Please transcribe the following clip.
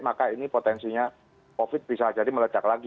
maka ini potensinya covid bisa jadi melejak lagi